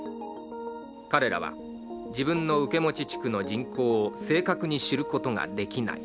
彼らは自分の受け持ち地区の人口を正確に知ることができない。